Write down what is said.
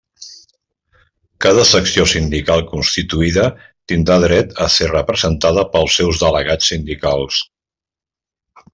Cada secció sindical constituïda tindrà dret a ser representada pels seus delegats sindicals.